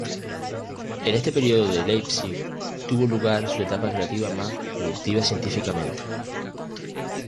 En este período de Leipzig tuvo lugar su etapa creativa más productiva científicamente.